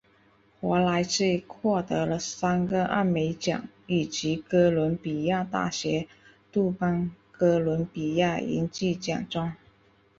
华莱士获得了三个艾美奖以及哥伦比亚大学杜邦哥伦比亚银质奖章。